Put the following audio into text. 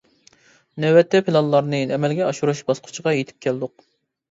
نۆۋەتتە پىلانلارنى ئەمەلگە ئاشۇرۇش باسقۇچىغا يېتىپ كەلدۇق.